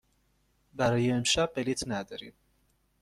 برای امشب بلیط نداریم.